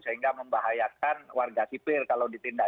sehingga membahayakan warga sipil kalau ditindak